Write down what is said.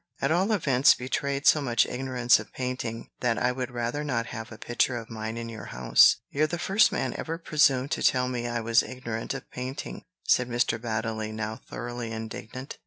"At all events, betrayed so much ignorance of painting, that I would rather not have a picture of mine in your house." "You're the first man ever presumed to tell me I was ignorant of painting," said Mr. Baddeley, now thoroughly indignant.